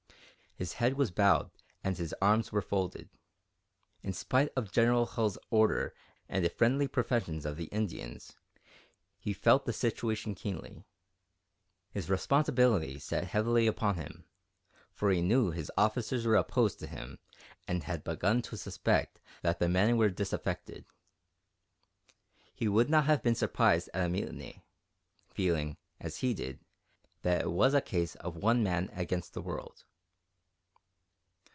His head was bowed and his arms were folded. In spite of General Hull's order and the friendly professions of the Indians, he felt the situation keenly. His responsibility sat heavily upon him, for he knew his officers were opposed to him and had begun to suspect that the men were disaffected. He would not have been surprised at a mutiny, feeling, as he did, that it was a case of one man against the world.